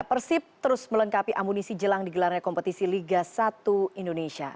persib terus melengkapi amunisi jelang digelarnya kompetisi liga satu indonesia